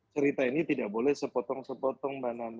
cerita ini tidak boleh sepotong sepotong mbak nana